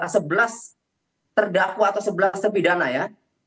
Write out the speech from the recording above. sebelas terdakwa atau sebelas terpidana ya